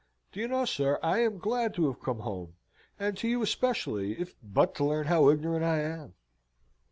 Do you know, sir, I am glad to have come home, and to you especially, if but to learn how ignorant I am."